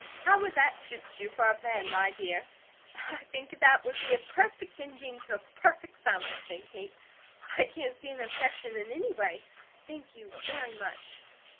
How would that suit you for a plan, my dear?" "I think that would be a perfect ending to a perfect summer," said Kate. "I can't see an objection in any way. Thank you very much."